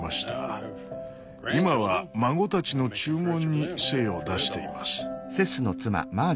今は孫たちの注文に精を出しています。